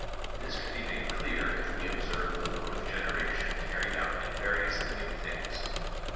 This can be made clear if we observe the mode of generation carried out in various living things.